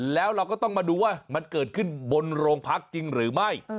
แล้วเราก็ต้องมาดูว่ามันเกิดขึ้นบนโรงพักจริงหรือไม่